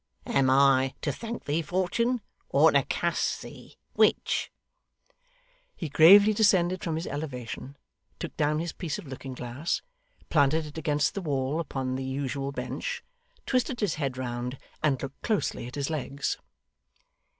am I to thank thee, Fortun', or to cus thee which?' He gravely descended from his elevation, took down his piece of looking glass, planted it against the wall upon the usual bench, twisted his head round, and looked closely at his legs.